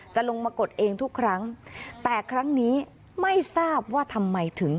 จะลงมากดเองทุกครั้งแต่ครั้งนี้ไม่ทราบว่าทำไมถึง